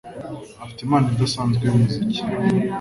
Afite impano idasanzwe yumuziki.